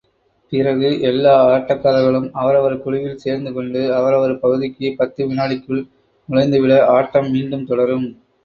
பிறகு, எல்லா ஆட்டக்காரர்களும் அவரவர் குழுவில் சேர்ந்துகொண்டு, அவரவர் பகுதிக்கு பத்து வினாடிகளுக்குள் நுழைந்துவிட, ஆட்டம் மீண்டும் தொடரும்.